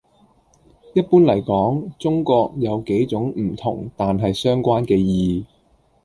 一般嚟講，「中國」有幾種唔同但係相關嘅意